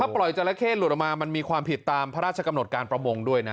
ปล่อยจราเข้หลุดออกมามันมีความผิดตามพระราชกำหนดการประมงด้วยนะ